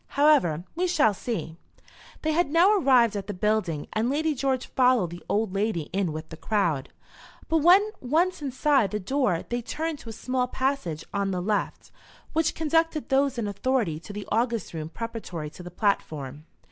However, we shall see." They had now arrived at the building, and Lady George followed the old lady in with the crowd. But when once inside the door they turned to a small passage on the left, which conducted those in authority to the august room preparatory to the platform.